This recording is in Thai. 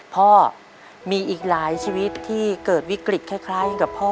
พ่อมีอีกหลายชีวิตที่เกิดวิกฤตคล้ายกับพ่อ